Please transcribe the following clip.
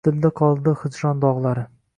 Dilda qoldi hijron dog’lari…